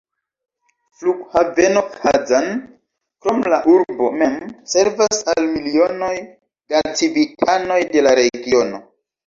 Flughaveno Kazan, krom la urbo mem, servas al milionoj da civitanoj de la regiono.